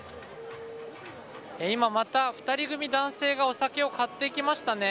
今また２人組男性がお酒を買っていきましたね。